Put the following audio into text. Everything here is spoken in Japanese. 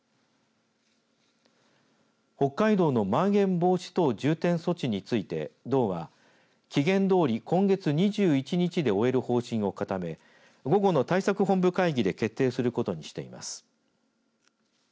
北海道のまん延防止等重点措置について道は期限どおり今月２１日で終える方針を固め午後の対策本部会議で決定することにしています。